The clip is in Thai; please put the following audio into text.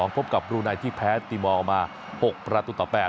พบกับบรูไนที่แพ้ติมอลมา๖ประตูต่อ๘